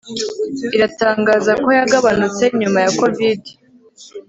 iratangaza ko yagabanutse nyuma ya Covidi